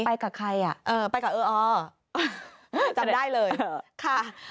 ไปกับใครอ่ะเออไปกับเอออจำได้เลยค่ะ